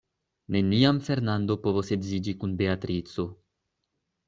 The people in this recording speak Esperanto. Neniam Fernando povos edziĝi kun Beatrico.